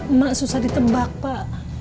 emak susah ditebak pak